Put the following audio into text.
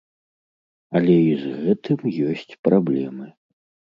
Але і з гэтым ёсць праблемы.